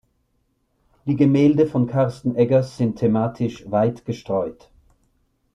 Die Gemälde von Carsten Eggers sind thematisch weit gestreut.